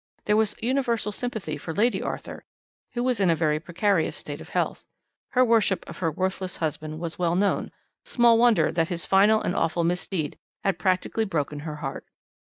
There was universal sympathy for Lady Arthur, who was in a very precarious state of health. Her worship of her worthless husband was well known; small wonder that his final and awful misdeed had practically broken her heart.